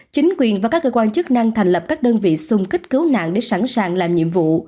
chính quyền và các cơ quan chức năng thành lập các đơn vị xung kích cứu nạn để sẵn sàng làm nhiệm vụ